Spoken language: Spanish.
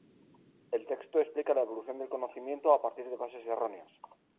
El texto explica la evolución del conocimiento a partir de bases erróneas.